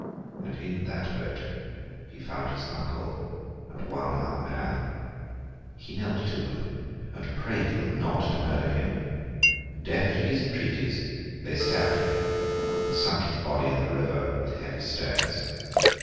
And in that boat, he found his uncle and one other man. He knelt to them, and prayed them not to murder him. Deaf to his entreaties, they stabbed him and sunk his body in the river with heavy stones.